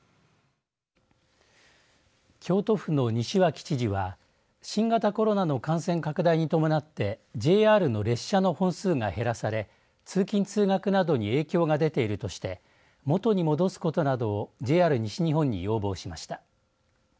京都府の西脇知事は新型コロナの感染拡大に伴ってＪＲの列車の本数が減らされ通勤通学などに影響が出ているとして元に戻すことなどをＪＲ西日本に要望しました。